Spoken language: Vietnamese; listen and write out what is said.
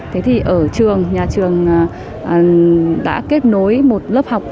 thế thì ở trường nhà trường đã kết nối một lớp phòng dịch